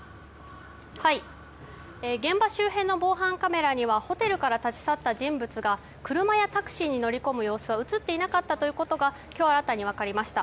現場周辺の防犯カメラにはホテルから立ち去った人物が車やタクシーに乗り込む様子は映っていなかったということが今日新たに分かりました。